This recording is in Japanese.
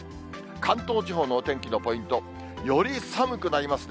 関東地方のお天気のポイント、より寒くなりますね。